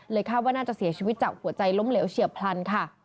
คาดว่าน่าจะเสียชีวิตจากหัวใจล้มเหลวเฉียบพลันค่ะ